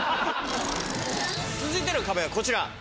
続いての壁はこちら。